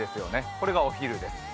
これがお昼です。